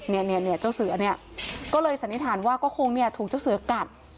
เนี่ยเจ้าเสือเนี่ยก็เลยสันนิษฐานว่าก็คงเนี่ยถูกเจ้าเสือกัด